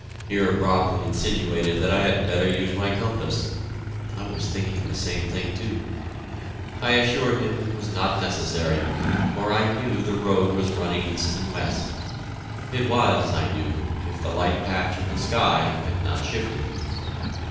Here Bromley insinuated that I had better use my compass (I was thinking the same thing, too). I assured him it was not necessary, for I knew the road was running east and west. It was, I knew, if the light patch in the sky had not shifted.